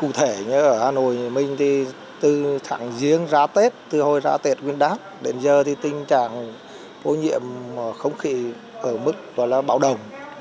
cụ thể như ở hà nội mình thì từ tháng giêng ra tết từ hồi ra tết nguyên đáp đến giờ thì tình trạng ô nhiễm không khí ở mức bảo đồng